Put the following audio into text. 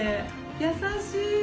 優しい！